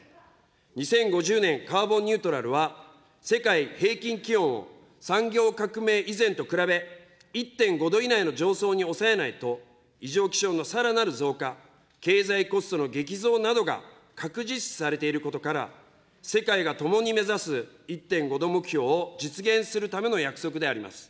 ２０５０年カーボンニュートラルは、世界平均気温を産業革命以前と比べ、１．５度以内の上昇に抑えないと、異常気象のさらなる増加、経済コストの激増などが確実視されていることから、世界が共に目指す１．５度目標を実現するための約束であります。